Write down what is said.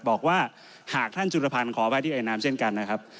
บอกว่าหากท่านจุลพันธ์ขอไว้ที่ไอน้ำเช่นกันนะครับ